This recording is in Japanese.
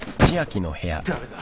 誰だ？